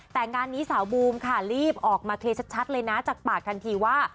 แต่งานนี้สาวบูมค่ะรีบออกมาเคลียร์ชัดเลยนะจากปากทันทีว่า